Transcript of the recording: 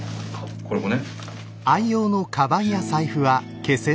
これもね。